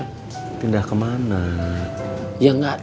kamu tak bisa ralahkan kan ke technologies